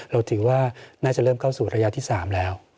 เราถือว่าน่าจะเริ่มเข้าสู่ระยะที่๓แล้ว